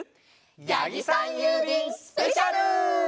やぎさんゆうびんスペシャル！